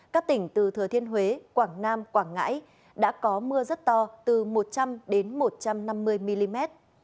các tỉnh từ thừa thiên huế quảng nam quảng ngãi đã có mưa rất to từ một trăm linh một trăm năm mươi mm